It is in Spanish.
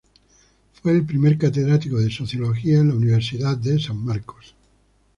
Fue el primer catedrático de Sociología en la Universidad de San Marcos.